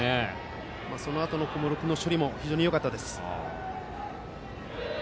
そのあとの小室君の処理も非常によかったです。